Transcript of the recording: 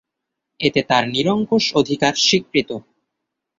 এতে তার নিরঙ্কুশ অধিকার স্বীকৃত।